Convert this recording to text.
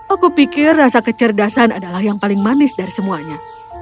aku pikir rasa kecerdasan adalah yang paling manis dari semuanya